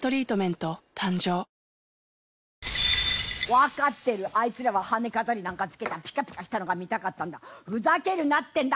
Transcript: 分かってるあいつらは羽根飾りなんかつけたピカピカしたのが見たかったんだふざけるなってんだ